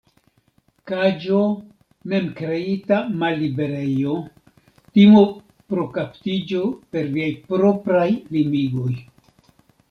Kaĝo: Mem-kreita malliberejo; timo pro kaptiĝo per viaj propraj limigoj.